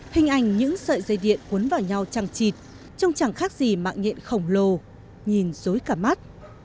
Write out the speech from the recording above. hình ảnh những sợi dây điện cuốn vào nhau trăng trịt trông chẳng khác gì mạng nhện khổng lồ nhìn dối cả mắt